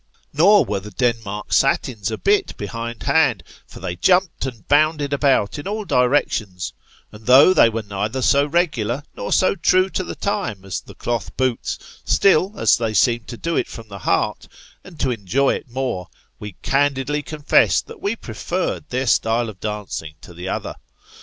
Nor were the Denmark satins a bit behindhand, for they jumped and bounded about, in all directions ; and though they were neither so regular, nor so true to the time as the cloth boots, still, as they seemed to do it from the heart, and to enjoy it more, we candidly confess that we preferred their style of dancing to the other.